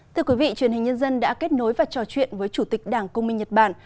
thưa quý vị truyền hình nhân dân đã kết nối và trò chuyện với chủ tịch đảng công minh nhật bản